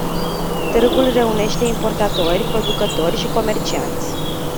Târgul reunește importatori, producători și comercianți.